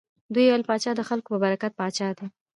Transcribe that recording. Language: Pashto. دوی ویل پاچا د خلکو په برکت پاچا دی.